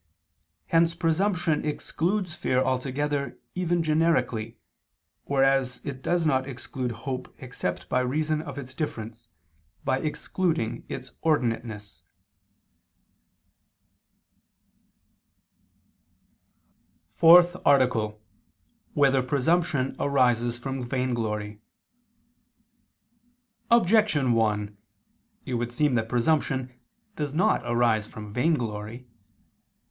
Hence presumption excludes fear altogether even generically, whereas it does not exclude hope except by reason of its difference, by excluding its ordinateness. _______________________ FOURTH ARTICLE [II II, Q. 21, Art. 4] Whether Presumption Arises from Vainglory? Objection 1: It would seem that presumption does not arise from vainglory.